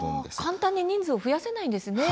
簡単に人数を増やせないんですね。